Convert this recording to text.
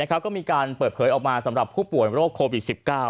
ก็มีการเปิดเผยออกมาสำหรับผู้ป่วยโรคโควิด๑๙